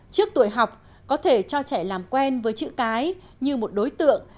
trước tuổi học có thể cho trẻ làm quen với chữ cái như một đối tượng